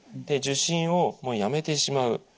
で受診をもうやめてしまう。